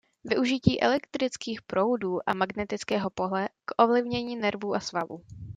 Využití elektrických proudů a magnetického pole k ovlivnění nervů a svalů.